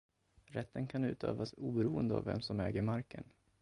Rätten kan utövas oberoende av vem som äger marken.